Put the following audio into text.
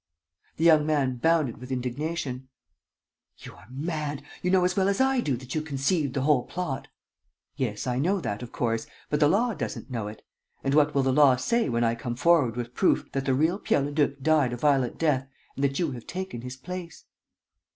The young man bounded with indignation: "You are mad! You know as well as I do that you conceived the whole plot. ..." "Yes, I know that, of course; but the law doesn't know it; and what will the law say when I come forward with proof that the real Pierre Leduc died a violent death and that you have taken his place?"